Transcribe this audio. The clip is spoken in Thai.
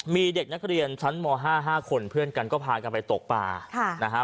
มีเด็กนักเรียนชั้นม๕๕คนเพื่อนกันก็พากันไปตกป่านะฮะ